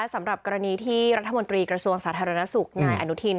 สำหรับกรณีที่รัฐมนตรีกระทรวงสาธารณสุขนายอนุทิน